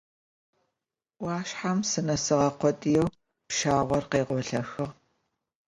Ӏуашъхьэм сынэсыгъэ къодыеу пщагъор къегъолъэхыгъ.